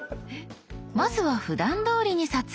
まずはふだんどおりに撮影。